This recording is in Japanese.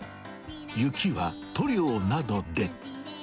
雪は塗料などで。